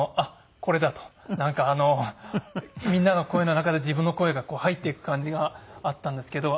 なんかみんなの声の中で自分の声が入っていく感じがあったんですけど。